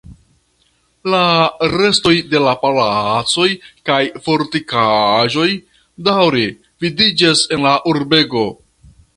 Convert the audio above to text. La restoj de la palacoj kaj fortikaĵoj daŭre vidiĝas en la urbego.